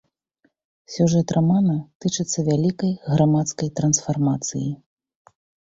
Сюжэт рамана тычыцца вялікай грамадскай трансфармацыі.